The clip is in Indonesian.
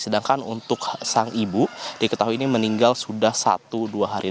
sedangkan untuk sang ibu diketahui ini meninggal sudah satu dua hari